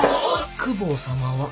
公方様は。